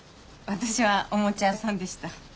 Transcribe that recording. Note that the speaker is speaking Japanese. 私はおもちゃ屋さんでした。